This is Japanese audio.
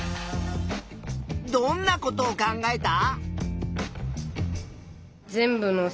どんなことを考えた？